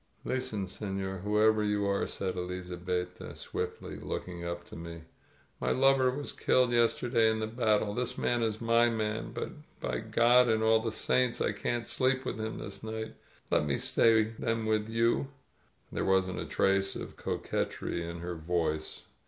"Listen, seiior, whoever you are!" said Elizabetta swiftly, looking up to me. "My lover was killed yes terday in the battle. This man is my man, but, by God and all the Saints, I can't sleep with him this night. Let me stay then with you!" There wasn't a trace of coquetry in her voice.